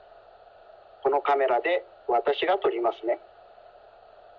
このカメラでわたしがとりますね。